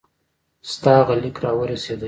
ستا هغه لیک را ورسېدی.